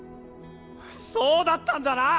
そうだったんだな！